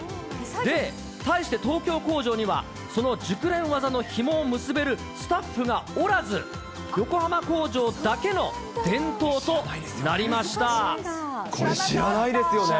で、対して東京工場には、その熟練技のひもを結べるスタッフがおらず、横浜工場だけの伝統これ、知らないですよね。